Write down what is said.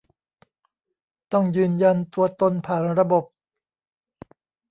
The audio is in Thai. ต้องยืนยันตัวตนผ่านระบบ